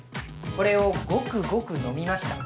これをごくごく飲みました。